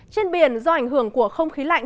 trên biển do ảnh hưởng của không khí lạnh